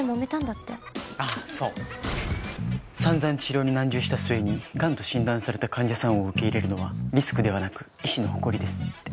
「散々治療に難渋した末に癌と診断された患者さんを受け入れるのはリスクではなく医師の誇りです」って。